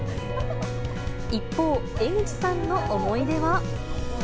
一方、江口さんの思い出は。